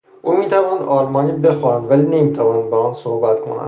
او میتواند آلمانی بخواند ولی نمیتواند به آن صحبت کند.